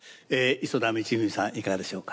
磯田道史さんいかがでしょうか？